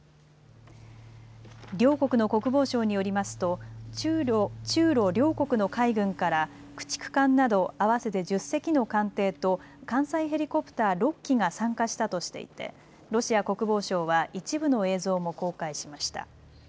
両国の国防省によりますと中ロ両国の海軍から駆逐艦など合わせて１０隻の艦艇と艦載ヘリコプター６機が参加したとしていてロシア国防省は一部の映像も公開しました。